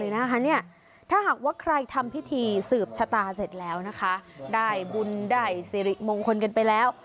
นะคะเนี่ยถ้าหากว่าใครทำพิธีสืบชะตาเสร็จแล้วนะคะได้บุญได้สิริมงคลกันไปแล้ว